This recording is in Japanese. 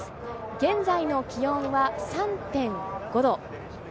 現在の気温は３．５度。